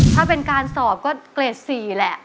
ถ้าเป็นการสอบก็เกรด๔แหละ